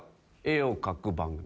絵を描く番組。